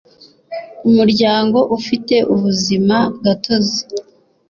umuryango ufite ubuzima gatozi